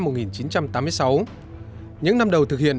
những năm đầu thực hiện đường lối đổi mới toàn diện